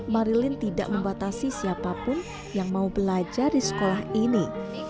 marilin tidak membatasi siapapun yang mau belajar di sekolah ini